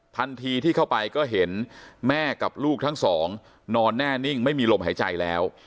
ทันทีที่เข้าไปก็เห็นแม่กับลูกทั้งสองนอนแน่นิ่งไม่มีลมหายใจแล้ว